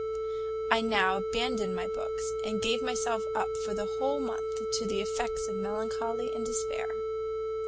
I now abandoned my books, and gave myself up for a whole month to the effects of melancholy and despair.